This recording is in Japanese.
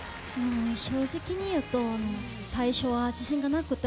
正直に言うと最初は自信がなくて。